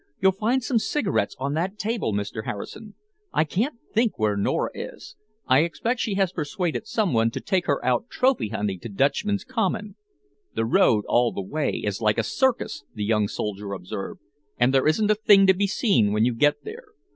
"You'll find some cigarettes on that table, Mr. Harrison. I can't think where Nora is. I expect she has persuaded some one to take her out trophy hunting to Dutchman's Common." "The road all the way is like a circus," the young soldier observed, "and there isn't a thing to be seen when you get there.